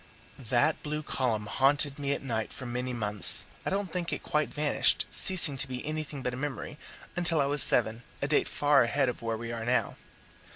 That blue column haunted me at night for many months; I don't think it quite vanished, ceasing to be anything but a memory, until I was seven a date far ahead of where we are now.